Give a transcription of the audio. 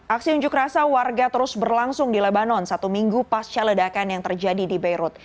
aksi unjuk rasa warga terus berlangsung di lebanon satu minggu pasca ledakan yang terjadi di beirut